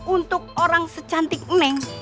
untuk orang secantik neng